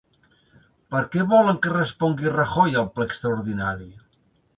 Per què volen què respongui Rajoy al ple extraordinari?